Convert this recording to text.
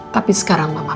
tapi di niveau buah